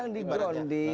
yang di gronding